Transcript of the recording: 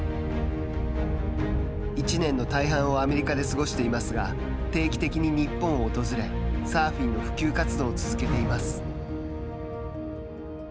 １年の大半をアメリカで過ごしていますが定期的に日本を訪れサーフィンの普及活動を続けています。